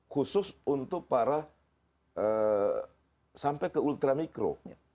khusus untuk para sampai ke ultra mikro